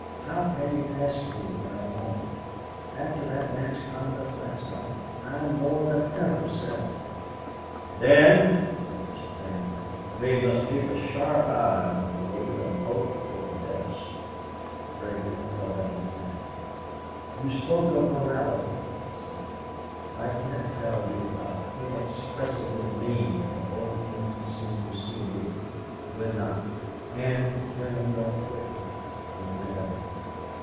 "How can you ask me, Paramor? After that man's conduct last night, I am more than ever set on it." "Then," said Mr. Paramor, "we must keep a sharp eye on Bellew, and hope for the best." Gregory held out his hand. "You spoke of morality," he said. "I can't tell you how inexpressibly mean the whole thing seems to me. Goodnight." And, turning rather quickly, he went out.